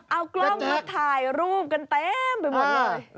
เอากล้องมาถ่ายรูปกันเต็มไปหมดเลย